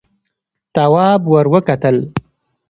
تواب ور وکتل: